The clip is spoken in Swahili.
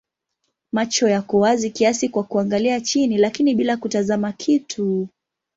Macho yako wazi kiasi kwa kuangalia chini lakini bila kutazama kitu.